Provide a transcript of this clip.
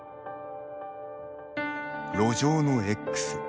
「路上のＸ」。